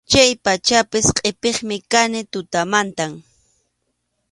Chay pachapas qʼipiqmi kani tutamantam.